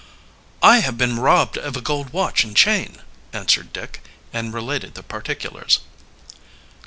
"I have been robbed of a gold watch and chain," answered Dick, and related the particulars.